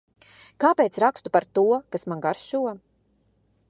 Kāpēc rakstu par to, kas man garšo?